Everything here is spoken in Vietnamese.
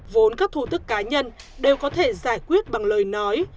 vốn các thu tức cá nhân đều có thể giải quyết bằng lời nói